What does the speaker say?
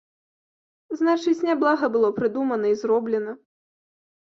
Значыць, няблага было прыдумана і зроблена.